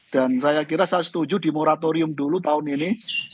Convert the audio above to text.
dan saya kira saya setuju di moratorium dulu tahun ini